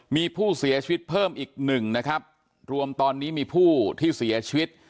มีผู้เสียชีวิตเพิ่มอีกหนึ่งนะครับรวมตอนนี้มีผู้ที่เสียชีวิต